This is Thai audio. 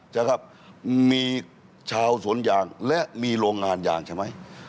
นะครับมีชาวสวนยางและมีโรงงานยางใช่ไหม